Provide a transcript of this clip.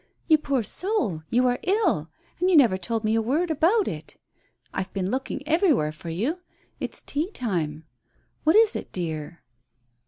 "You poor soul, you are ill; and you never told me a word about it. I have been looking everywhere for you. It is tea time. What is it, dear?"